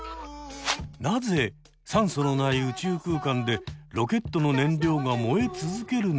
なぜ酸素のない宇宙空間でロケットの燃料が燃え続けるのか？